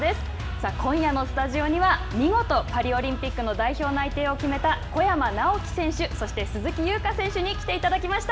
さあ、今夜のスタジオには、見事パリオリンピックの代表内定を決めた小山直城選手、そして鈴木優花選手に来ていただきました。